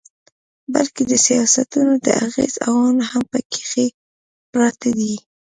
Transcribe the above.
بلکي د سياستونو د اغېز عوامل هم پکښې پراته دي